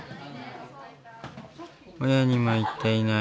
親にも言っていない